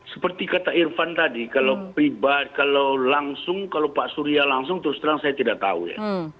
seperti kata irfan tadi kalau pribadi kalau langsung kalau pak surya langsung terus terang saya tidak tahu ya